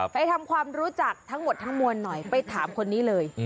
ไปทำความรู้จักทั้งหมดทั้งมวลหน่อยไปถามคนนี้เลย